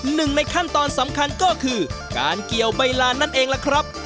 หนึ่งในขั้นตอนสำคัญก็คือการเกี่ยวใบลานนั่นเองล่ะครับ